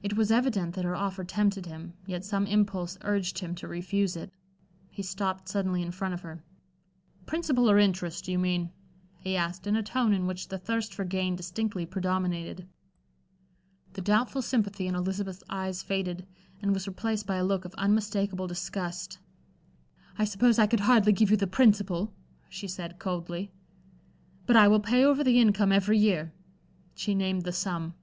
It was evident that her offer tempted him, yet some impulse urged him to refuse it. He stopped suddenly in front of her. "Principal or interest, do you mean?" he asked, in a tone in which the thirst for gain distinctly predominated. The doubtful sympathy in Elizabeth's eyes faded, and was replaced by a look of unmistakable disgust. "I suppose I could hardly give you the principal," she said, coldly. "But I will pay over the income every year." She named the sum.